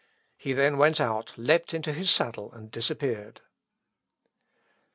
He then went out, leapt into his saddle, and disappeared.